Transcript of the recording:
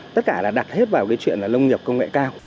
tất cả là đặt hết vào cái chuyện là nông nghiệp công nghệ cao